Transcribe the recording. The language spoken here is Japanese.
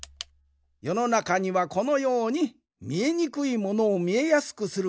よのなかにはこのようにみえにくいものをみえやすくするくふうがいろいろあるんじゃ。